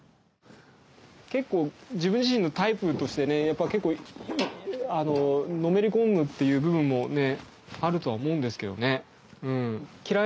結構自分自身のタイプとしてねやっぱり結構のめり込むっていう部分もねあるとは思うんですけどね。